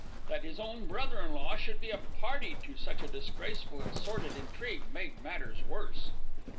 That his own brother in law should be a party to such a disgraceful and sordid intrigue made matters worse.